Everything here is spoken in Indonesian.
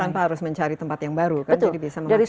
tanpa harus mencari tempat yang baru kan jadi bisa memaksimal